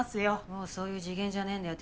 もうそういう次元じゃねぇんだよ。